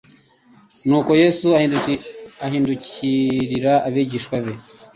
Nuko Yesu ahindukirira abigishwa be,